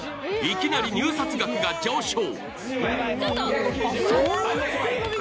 いきなり入札額が上昇。